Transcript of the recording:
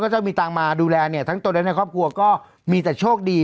เจ้ามีตังค์มาดูแลเนี่ยทั้งตนและในครอบครัวก็มีแต่โชคดี